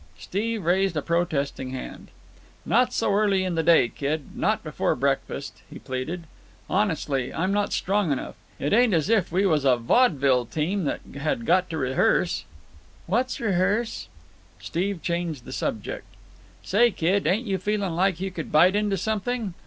Steve raised a protesting hand. "Not so early in the day, kid; not before breakfast," he pleaded. "Honest, I'm not strong enough. It ain't as if we was a vaudeville team that had got to rehearse." "What's rehearse?" Steve changed the subject. "Say, kid, ain't you feeling like you could bite into something?